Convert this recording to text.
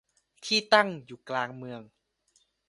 ที่ตั้งอยู่กลางเมือง